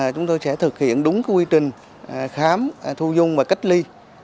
chúng tôi sẽ thực hiện đúng quy trình khám thu dung và cách ly